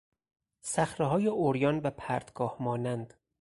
صخرههای عریان و پرتگاه مانند